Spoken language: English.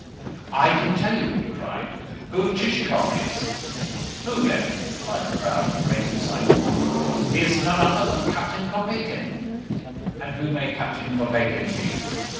"I can tell you," he cried, "who Chichikov is!" "Who, then?" replied the crowd in great excitement. "He is none other than Captain Kopeikin." "And who may Captain Kopeikin be?"